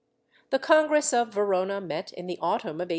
^ The Congress of Verona met in the autunm of 1822.